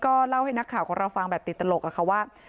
ก็เล่าให้นักข่าวของเราฟังแบบติดตลกอะค่ะว่า